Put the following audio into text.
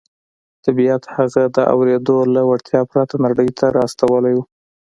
طبیعت هغه د اورېدو له وړتیا پرته نړۍ ته را استولی و